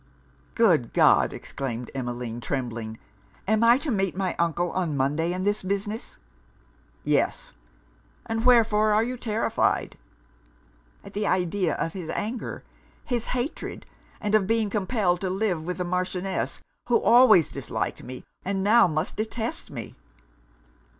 'Good God!' exclaimed Emmeline; trembling, 'am I to meet my uncle on Monday on this business?' 'Yes; and wherefore are you terrified?' 'At the idea of his anger his hatred; and of being compelled to live with the Marchioness, who always disliked me, and now must detest me.'